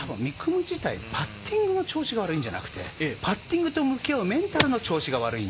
夢自体、パッティングの調子が悪いんじゃなくて、パッティングと向き合うメンタルの調子が悪い。